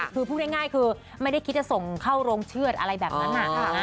คือพูดง่ายคือไม่ได้คิดจะส่งเข้าโรงเชือดอะไรแบบนั้น